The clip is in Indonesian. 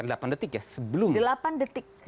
jepang itu sebelum ya sekitar delapan detik ya